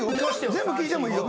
全部聴いてもいいよ。